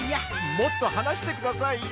もっと話してくださいよ。